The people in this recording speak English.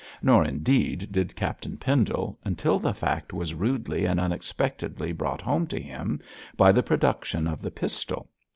Nor indeed did Captain Pendle, until the fact was rudely and unexpectedly brought home to him by the production of the pistol.